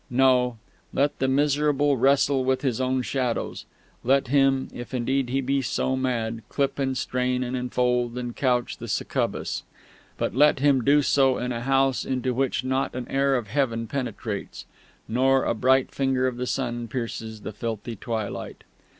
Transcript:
No: let the miserable wrestle with his own shadows; let him, if indeed he be so mad, clip and strain and enfold and couch the succubus; but let him do so in a house into which not an air of Heaven penetrates, nor a bright finger of the sun pierces the filthy twilight.